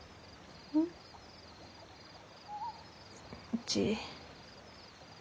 うん？うち。